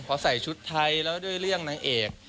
พอใส่ชุดไทยแล้วด้วยเรื่องนางเอก